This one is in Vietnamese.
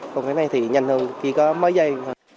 còn cái này thì nhanh hơn khi có mấy giây